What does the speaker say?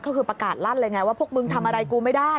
ก็คือประกาศลั่นเลยไงว่าพวกมึงทำอะไรกูไม่ได้